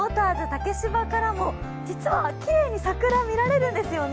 竹芝からも実はきれいに桜が見られるんですよね。